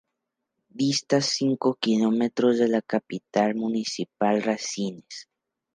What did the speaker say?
Dista cinco kilómetros de la capital municipal, Rasines.